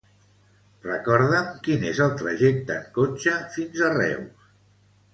Recorda'm quin és el trajecte en cotxe fins a Reus.